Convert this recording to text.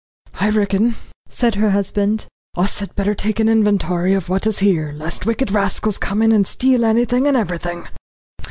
"I reckon," said her husband, "us had better take an inventory of what is here, lest wicked rascals come in and steal anything and everything."